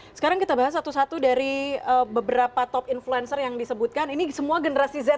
sekarang kita bahas satu satu dari beberapa top influencer yang disebutkan ini semua generasi z